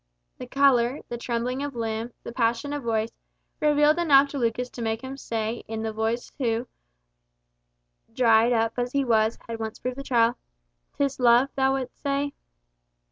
The colour, the trembling of limb, the passion of voice, revealed enough to Lucas to make him say, in the voice of one who, dried up as he was, had once proved the trial, "'Tis love, thou wouldst say?"